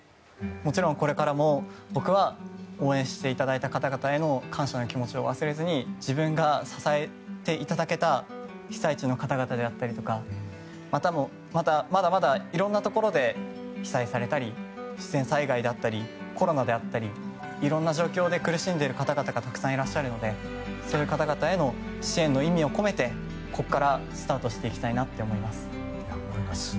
もちろん、これからも僕は応援していただいた方々への感謝の思いを忘れずに自分が支えていただけた被災地の方々であったりとかまた、まだまだいろいろなところで被災されたり自然災害であったりコロナであったりいろんな状況で苦しんでいる方々がたくさんいらっしゃるのでそういう方々への支援の意味を込めてここからスタートしていきたいなと思います。